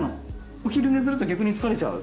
お昼寝すると逆に疲れちゃう？